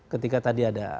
ketika tadi ada